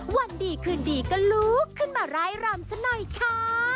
วันดีคืนดีก็ลุกขึ้นมาร่ายรำซะหน่อยค่ะ